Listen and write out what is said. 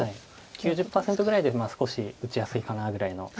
９０％ぐらいで少し打ちやすいかなぐらいの。